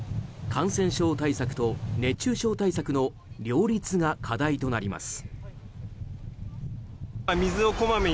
感染症対策と熱中症対策の両立が課題となります。